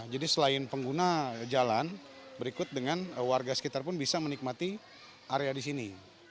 jadi selain pengguna jalan berikut dengan warga sekitar pun bisa menikmati area di sini